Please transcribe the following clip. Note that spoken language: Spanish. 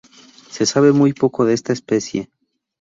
Se sabe muy poco de esta especie.